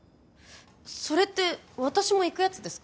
それって私も行くやつですか？